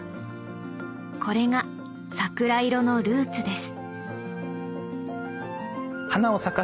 これが桜色のルーツです。